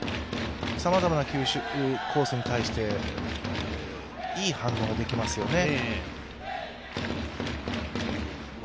さまざまな球種、コースに対していい反応ができますよね。